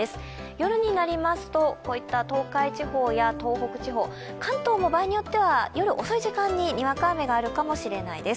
夜になりますと東海地方や東北地方、関東も場合によっては夜遅い時間ににわか雨があるかもしれないです。